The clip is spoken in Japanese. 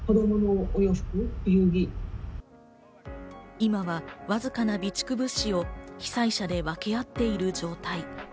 今はわずかな備蓄物資を被災者で分け合っている状態。